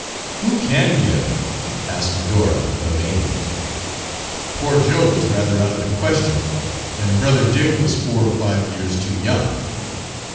"Who can give?" asked Medora of Amy. Poor Joe was rather out of the question, and Brother Dick was four or five years too young.